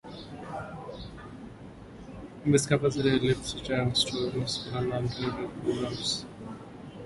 In this capacity he leads teacher and student (school and undergraduate level) training programmes.